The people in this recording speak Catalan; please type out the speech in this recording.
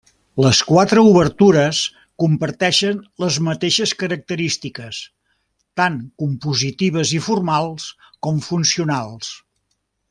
Les quatre obertures comparteixen les mateixes característiques tant compositives i formals com funcionals.